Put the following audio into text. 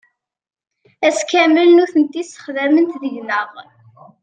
Ass kamel nutenti ssexdament deg-neɣ.